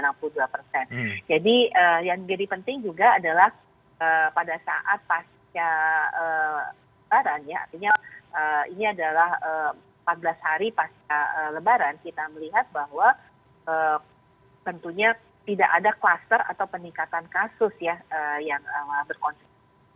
jadi yang jadi penting juga adalah pada saat pasca lebaran ya artinya ini adalah empat belas hari pasca lebaran kita melihat bahwa tentunya tidak ada kluster atau peningkatan kasus ya yang berkonten